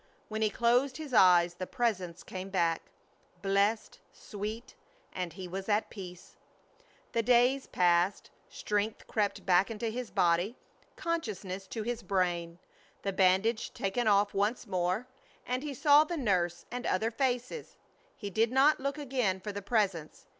When he closed his eyes the Presence came back, blessed, sweet and he was at peace. The days passed; strength crept back into his body, consciousness to his brain. The bandage was taken off once more, and he saw the nurse and other faces. He did not look again for the Presence.